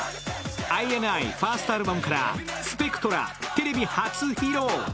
ＩＮＩファーストアルバムから「ＳＰＥＣＴＲＡ」テレビ初披露。